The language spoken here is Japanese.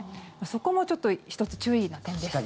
そこもちょっと、１つ注意な点です。